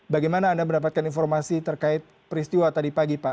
bagaimana anda mendapatkan informasi terkait peristiwa tadi pagi pak